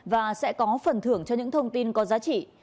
và sẽ có phần thưởng cho những thông tin có giá trị